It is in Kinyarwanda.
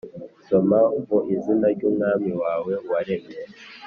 soma: mu izina ry’umwami wawe waremye.